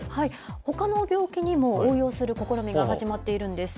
ほかの病気にも応用する試みが始まっているんです。